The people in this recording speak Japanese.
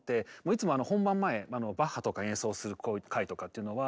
いつも本番前バッハとか演奏する会とかっていうのは